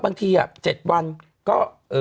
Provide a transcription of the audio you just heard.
บางที๗วันก็